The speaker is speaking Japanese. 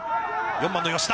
４番の吉田。